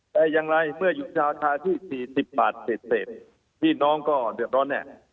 แต่อย่างไรเมื่อหยุดราคาที่๔๐บาทเศษพี่น้องก็เดือดร้อนแน่